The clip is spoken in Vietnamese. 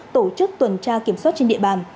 tổ chức tuần tra kiểm soát trên địa bàn